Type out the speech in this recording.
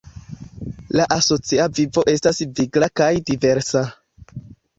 La asocia vivo estas vigla kaj diversa.